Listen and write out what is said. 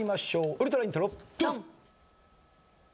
ウルトライントロドン！